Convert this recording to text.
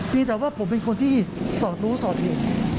มีแต่ว่าผมเป็นคนที่สอดรู้สอดเห็น